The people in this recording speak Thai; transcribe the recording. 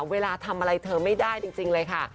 เวลาทำอะไรเธอไม่ได้จริงเลยค่ะ